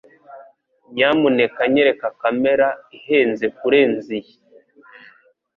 Nyamuneka nyereka kamera ihenze kurenza iyi